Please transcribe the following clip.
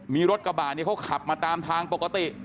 มีรถกะบานครับเขาจะขับมาตามทางปกติ